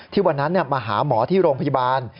วันนั้นมาหาหมอที่โรงพยาบาล